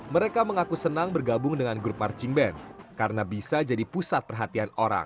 mereka mengaku senang bergabung dengan grup marching band karena bisa jadi pusat perhatian orang